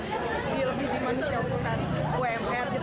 jadi untuk guru untuk diterbitkannya es kabupati